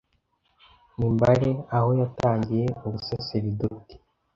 n’i Mbare aho yatangiye ubusaseridoti